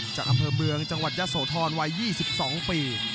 จากอำเภอเมืองจังหวัดยะโสธรวัย๒๒ปี